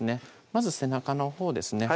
まず背中のほうですね